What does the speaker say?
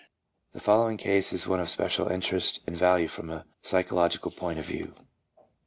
The following case is one of special interest and value from a psychological point of view.